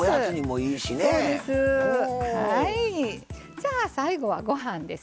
さあ最後はご飯ですね。